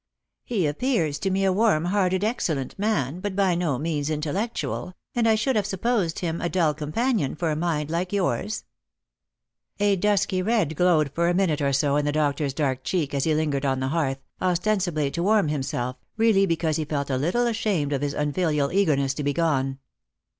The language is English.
" He appears to me a warm hearted excellent man, but by no means intellectual, and I should have supposed him a dull companion for a mind like yours." A dusky red glowed for a minute or so in the doctor's dark cheek as he lingered on the hearth, ostensibly to warm himself, really because he felt a little ashamed of his unfilial eagerness to be gone.